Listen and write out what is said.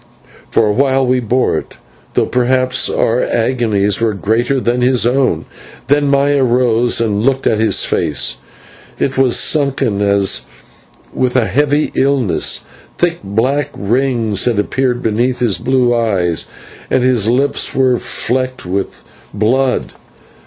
For a while we bore it, though perhaps our agonies were greater than his own then Maya rose and looked at his face. It was sunken as with a heavy illness, thick black rings had appeared beneath his blue eyes, and his lips were flecked with blood.